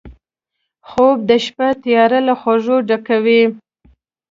خوب د شپه تیاره له خوږۍ ډکوي